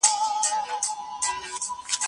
کله چي دښمن وويستل سو، امنيت راغی.